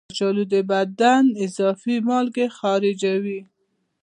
کچالو د بدن اضافي مالګې خارجوي.